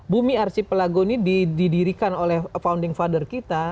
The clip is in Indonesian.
bumi arci pelago ini didirikan oleh founding father kita